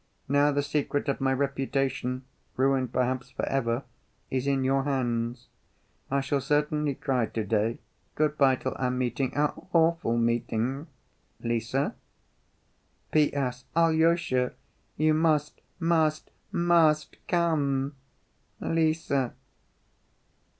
Now the secret of my reputation, ruined perhaps for ever, is in your hands. "I shall certainly cry to‐day. Good‐by till our meeting, our awful meeting.—LISE. "P.S.—Alyosha! You must, must, must come!—LISE."